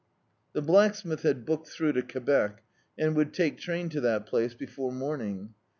, The blacksmith had booked through to Quebec, and would take train to that place before morning.